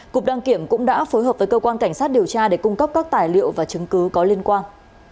cục đăng kiểm cũng đã phối hợp với cơ quan cảnh sát điều tra để cung cấp các tài liệu và chứng cứ có liên quan